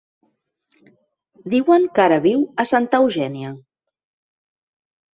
Diuen que ara viu a Santa Eugènia.